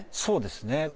そうですね